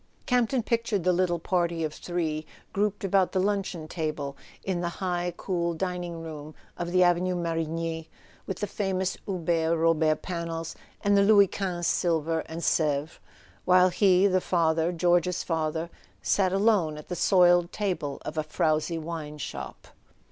Campton pictured the little party of three grouped about the A SON AT THE FRONT luncheon table in the high cool dining room of the Avenue Marigny, with the famous Hubert Robert panels, and the Louis XV silver and Sevres; while he, the father, George's father, sat alone at the soiled table of a frowsy wine shop.